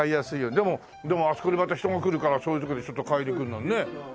でもでもあそこでまた人が来るからそういうとこでちょっと買いに来るのにね。